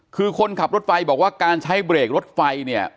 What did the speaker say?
คือคนขับรถไฟบอกว่าการใช้เบรกรถไฟเนี่ย